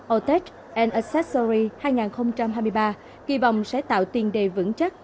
autotech accessories hai nghìn hai mươi ba kỳ vọng sẽ tạo tiền đề vững chắc